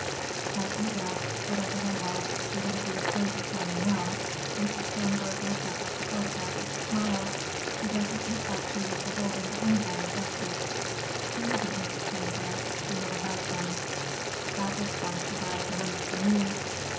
But I guess, whatever there was, she wouldn't be afraid to tell me now." Mrs. Kronborg looked up at the photograph with a smile. "She doesn't look like she was beholding to anybody, does she?" "She isn't, Mrs. Kronborg. She never has been. That was why she borrowed the money from me."